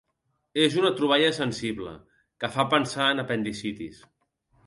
És una troballa sensible que fa pensar en apendicitis.